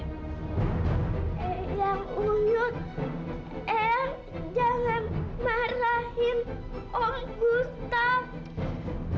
eyang unyut eyang jangan marahin om gustaf